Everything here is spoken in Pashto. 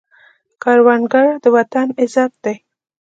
کروندګر د وطن عزت دی